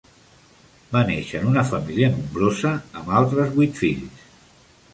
Va néixer en una família nombrosa amb altres vuit fills.